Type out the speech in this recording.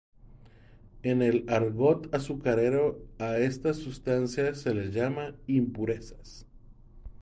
En el argot azucarero, a estas sustancias se les llama impurezas.